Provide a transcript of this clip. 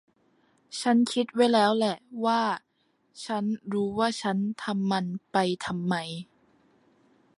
ฉันคิดไว้แล้วแหละว่า ฉันรู้ว่าฉันทำมันไปทำไม